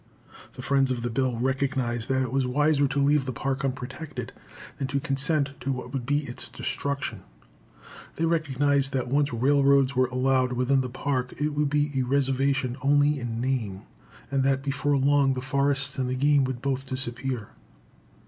The friends of the bill recognized that it was wiser to leave the Park unprotected than to consent to what would be its destruction. They recognized that, once railroads were allowed within the Park, it would be a reservation only in name, and that before long the forests and the game would both disappear.